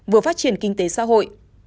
vừa phát triển kinh tế xã hội